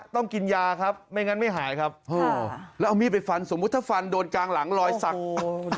ต้องกินยาครับไม่งั้นไม่หายครับแล้วเอามีดไปฟันสมมุติถ้าฟันโดนกลางหลังรอยสัก